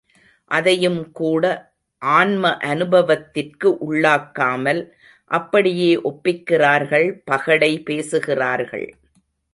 அதையும்கூட ஆன்ம அனுபவத்திற்கு உள்ளாக்காமல் அப்படியே ஒப்பிக்கிறார்கள் பகடை பேசுகிறார்கள்.